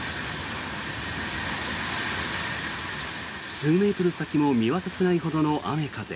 数メートル先も見渡せないほどの雨風。